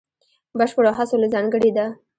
بشپړو هڅو له ځانګړې ده.